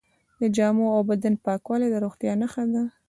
د جامو او بدن پاکوالی د روغتیا نښه ده.